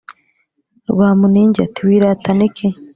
Rwamuningi ati: "Wiratana iki